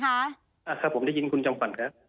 ครับผมได้ยินคุณจอมขวัญครับ